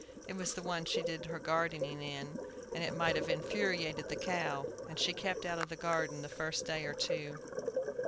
It was the one she did her gardening in, and it might have infuriated the cow. And she kept out of the garden the first day or two.